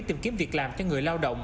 tìm kiếm việc làm cho người lao động